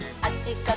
こっち！